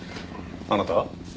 あなたは？